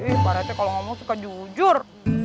ih berarti kalau ngomong suka jujur